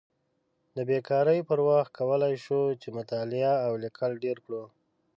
د بیکارۍ پر وخت کولی شو چې مطالعه او لیکل ډېر کړو.